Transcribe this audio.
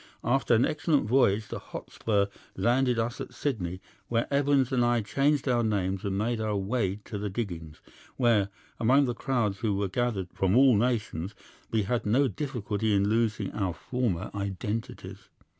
After an excellent voyage the Hotspur landed us at Sydney, where Evans and I changed our names and made our way to the diggings, where, among the crowds who were gathered from all nations, we had no difficulty in losing our former identities.